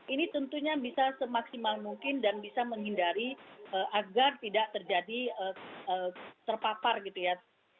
ini tentunya bisa semaksimal mungkin dan bisa menghindari agar tidak terjadi terpapar gitu ya